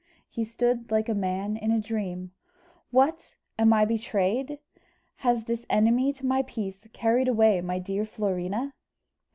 He stood like a man in a dream: "What! am I betrayed? Has this enemy to my peace carried away my dear Florina?"